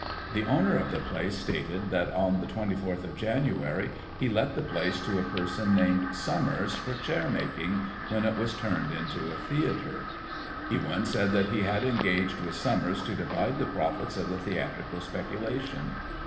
The owner of the place stated that, on the 24th of January, he let the place to a person named Summers, for chair making, when it was turned into a theatre. Ewyn said he had engaged with Summers to divide the profits of the theatrical speculation.